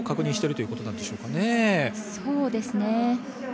そうですね。